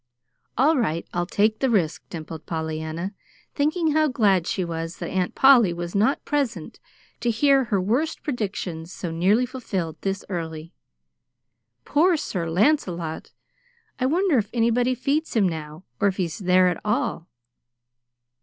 "All right, I'll take the risk," dimpled Pollyanna, thinking how glad she was that Aunt Polly was not present to hear her worst predictions so nearly fulfilled thus early. "Poor Sir Lancelot! I wonder if anybody feeds him now, or if he's there at all."